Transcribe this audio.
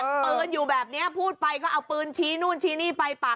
ยืนอยู่มันหมาพี่เราก็เลยไม่รู้ไงว่าเนี่ย